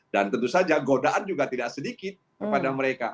dan tentu saja godaan juga tidak sedikit pada mereka